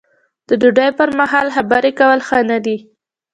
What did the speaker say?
د ډوډۍ پر مهال خبرې کول ښه نه دي.